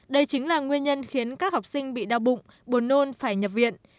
đây chính là nguyên nhân khiến các học sinh bị đau bụng buồn nôn phải nhập viện